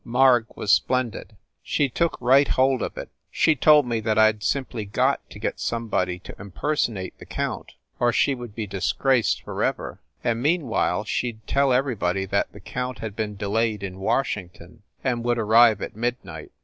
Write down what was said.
"Marg was splendid; she took right hold of it. She told me that I d simply got to get somebody to impersonate the count, or she would be disgraced forever, and meanwhile she d tell everybody that the count had been delayed in Washington, and would arrive at midnight.